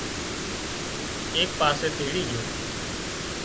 ايڪ پاسي تيڙِي جھو